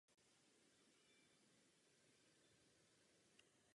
Několik jeho obrazů má také Národní galerie v Praze.